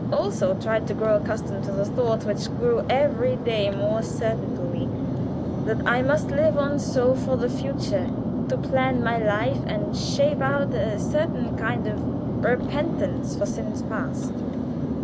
I also tried to grow accustomed to the thought, which grew every day more certain to me, that I must live on so for the future to plan my life, and shape out a certain kind of repentance for sins past.